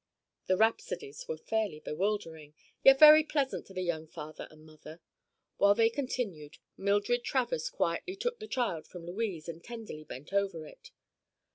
The rhapsodies were fairly bewildering, yet very pleasant to the young father and mother. While they continued, Mildred Travers quietly took the child from Louise and tenderly bent over it.